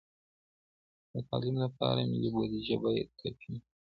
د تعلیم لپاره ملي بودیجه باید کافي وي.